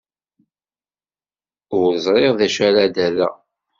Ur ẓriɣ d acu ara d-rreɣ.